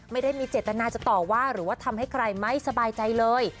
ไม่ได้มีเจตนาจะต่อว่าหรือว่าทำให้ใครไม่สบายใจเลย